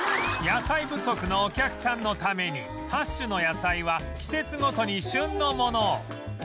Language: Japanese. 野菜不足のお客さんのために８種の野菜は季節ごとに旬のものを